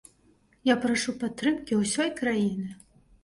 Я прашу падтрымкі ўсёй краіны.